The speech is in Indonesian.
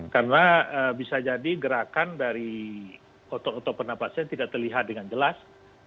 karena bisa jadi gerakan dari otot otot penafasnya tidak terlihat dengan jelas